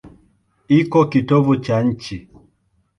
Iko kitovu cha nchi.